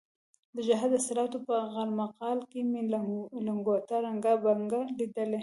د جهاد اصطلاحاتو په غالمغال کې مې لنګوټه ړنګه بنګه لیدلې.